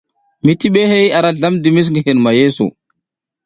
Mitibihey ara zlam dimis ngi hinuma yeesu.